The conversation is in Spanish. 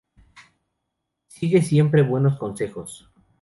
Sigue siempre buenos consejos.